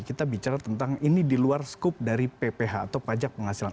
kita bicara tentang ini di luar skup dari pph atau pajak penghasilan